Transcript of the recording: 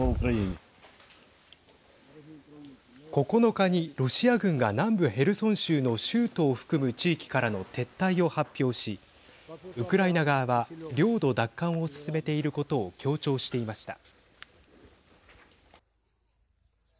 ９日にロシア軍が南部ヘルソン州の州都を含む地域からの撤退を発表しウクライナ側は領土奪還を進めていることを強調していました。